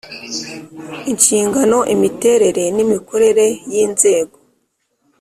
inshingano imiterere n imikorere y inzego